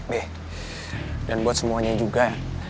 beh dan buat semuanya juga